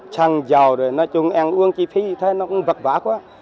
trăng giàu rồi nói chung ăn uống chi phí như thế nó cũng vật vả quá